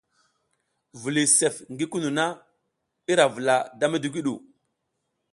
Viliy sef ngi kunu na, ira vula da midigwu ɗu.